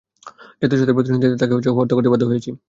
জাতীয় স্বার্থের প্রতিশোধ নিতেই তাকে হত্যা করতে বাধ্য হয়েছি।